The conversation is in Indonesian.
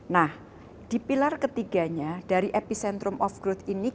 nah di pilar ketiganya dari epicentrum of growth ini